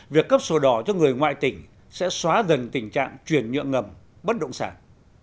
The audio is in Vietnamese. việc cấp sổ đỏ cho người ngoại tỉnh sẽ xóa dần tình trạng truyền nhượng ngầm bất động sản